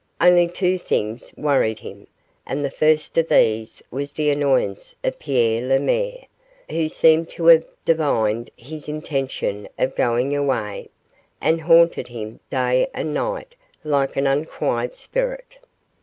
Only two things worried him, and the first of these was the annoyance of Pierre Lemaire, who seemed to have divined his intention of going away, and haunted him day and night like an unquiet spirit.